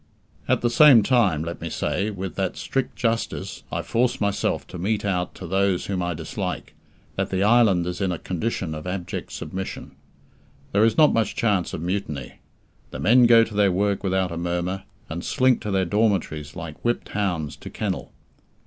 At the same time, let me say, with that strict justice I force myself to mete out to those whom I dislike, that the island is in a condition of abject submission. There is not much chance of mutiny. The men go to their work without a murmur, and slink to their dormitories like whipped hounds to kennel.